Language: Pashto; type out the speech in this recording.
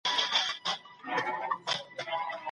د بریا لمر یوازي با استعداده کسانو ته نه سي ښودل کېدلای.